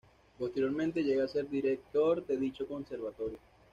Posteriormente llega a ser director de dicho conservatorio.